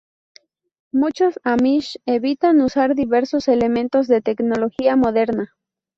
Muchos amish evitan usar diversos elementos de tecnología moderna.